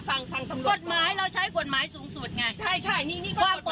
ฟังฟังตำรวจกฎหมายเราใช้กฎหมายสูงสุดไงใช่ใช่นี่นี่ก็กฎหมายสูงสุด